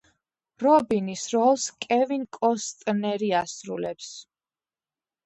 რობინის როლს კევინ კოსტნერი ასრულებს.